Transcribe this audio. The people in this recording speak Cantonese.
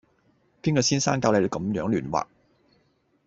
邊個先生教你咁樣亂畫